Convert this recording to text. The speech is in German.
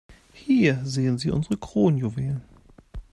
Hier sehen Sie unsere Kronjuwelen.